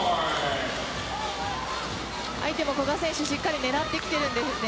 相手も古賀選手をしっかり狙ってきてますね。